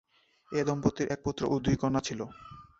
এ দম্পতির এক পুত্র ও দুই কন্যা ছিল।